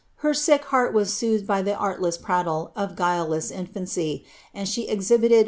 her sick hcarl wa* soothed by the arlless pialtle of gudcSess infancy, and she exhil'iifi!